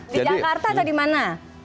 di jakarta atau di mana